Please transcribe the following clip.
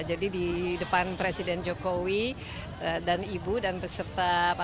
jadi di depan presiden jokowi dan ibu dan beserta para kandungan